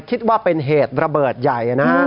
คิดว่าเป็นเหตุระเบิดใหญ่นะฮะ